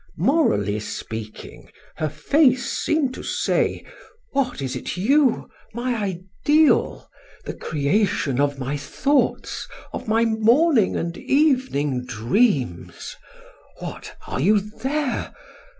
Morally speaking, her face seemed to say: 'What, is it you, my ideal! The creation of my thoughts, of my morning and evening dreams! What, are you there?